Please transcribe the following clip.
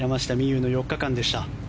有の４日間でした。